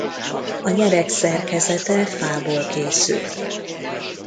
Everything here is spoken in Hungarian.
A nyereg szerkezete fából készül.